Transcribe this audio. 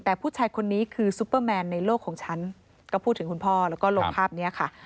แต่ผู้ชายคนนี้คือซุปเปอร์แมนในโลกของฉันก็พูดถึงคุณพ่อแล้วก็ลงภาพนี้ค่ะ